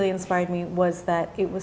menginspirasi saya adalah